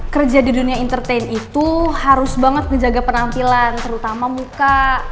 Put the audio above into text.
kerja di dunia entertain itu harus banget menjaga penampilan terutama muka